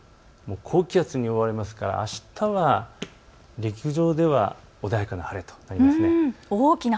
高気圧に覆われますから、あしたは陸上では穏やかな晴れとなります。